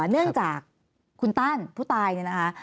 เนื่องจากคุณต้านผู้ตายเนี่ยนะคะ